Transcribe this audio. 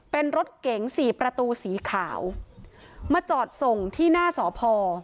เป็นรถเก๋งสี่ประตูสีขาวมาจอดส่งที่หน้าสพ